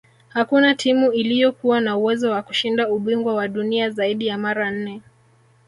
hakuna timu iliyokuwa na uwezo wa kushinda ubingwa wa dunia zaidi ya mara nne